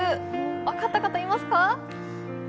分かった方、いますか？